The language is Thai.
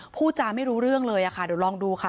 พูดจาไม่รู้เรื่องเลยค่ะเดี๋ยวลองดูค่ะ